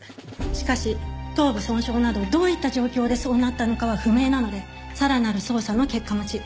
しかし頭部損傷などどういった状況でそうなったのかは不明なのでさらなる捜査の結果待ち。